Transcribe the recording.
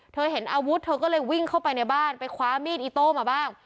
เธอเห็นอาวุธเธอก็เลยวิ่งเข้าไปในบ้านไปคว้ามีดอิโต้มาบ้าง